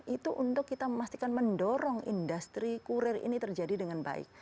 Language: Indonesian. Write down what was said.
itu untuk kita memastikan mendorong industri kurir ini terjadi dengan baik